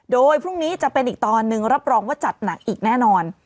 โดยพรุ่งนี้จะเป็นอีกตอนหนึ่งรับรองว่าจัดหนักอีกแน่นอน